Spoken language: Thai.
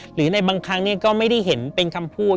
หรือในบางครั้งก็ไม่ได้เห็นเป็นคำพูด